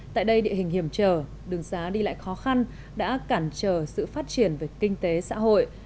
tại đây địa hình hiểm trở đường xá đi lại khó khăn đã cản trở sự phát triển về kinh tế xã hội